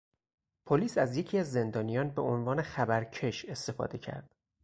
پلیس از یکی از زندانیان به عنوان خبر کش استفاده کرد.